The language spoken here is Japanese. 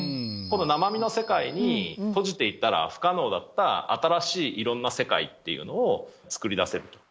生身の世界に閉じていたら不可能だった新しいいろんな世界っていうのを作り出せる。